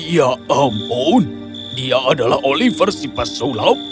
ya ampun dia adalah oliver si pesulap